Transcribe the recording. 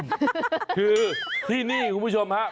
คือที่นี่คุณผู้ชมฮะ